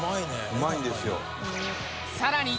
「うまいんですよ」